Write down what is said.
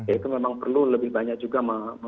itu memang perlu lebih banyak juga